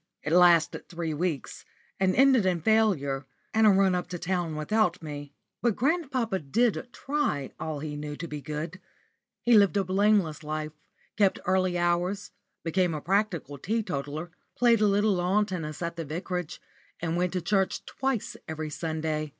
It lasted three weeks, and ended in failure, and a run up to town without me. But grandpapa did try all he knew to be good. He lived a blameless life, kept early hours, became a practical teetotaler, played a little lawn tennis at the vicarage, and went to church twice every Sunday.